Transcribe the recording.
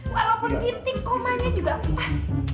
walaupun titik komanya juga puas